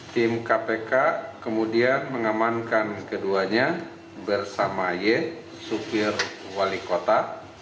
tim kpk kemudian mengamankan keduanya bersama y supir wali kota